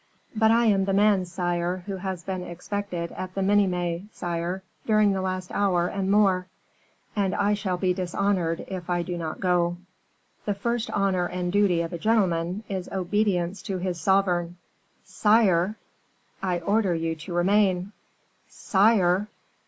"But I am the man, sire, who has been expected at the Minimes, sire, during the last hour and more; and I shall be dishonored if I do not go." "The first honor and duty of a gentleman is obedience to his sovereign." "Sire!" "I order you to remain." "Sire!"